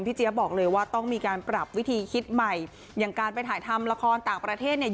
เจี๊ยบบอกเลยว่าต้องมีการปรับวิธีคิดใหม่อย่างการไปถ่ายทำละครต่างประเทศเนี่ย